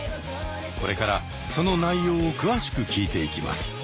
これからその内容を詳しく聞いていきます。